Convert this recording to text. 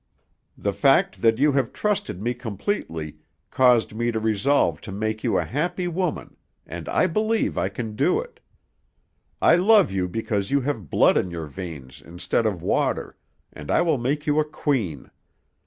The fact that you have trusted me completely caused me to resolve to make you a happy woman, and I believe I can do it. I love you because you have blood in your veins instead of water, and I will make you a queen.